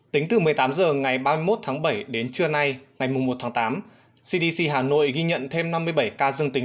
tính từ một mươi tám h ngày ba mươi một tháng bảy đến trưa nay ngày một tháng tám cdc hà nội ghi nhận thêm năm mươi bảy ca dương tính